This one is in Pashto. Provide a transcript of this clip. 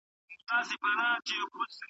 د پښتو د پوهې لپاره باید ډېر تمرین وسو.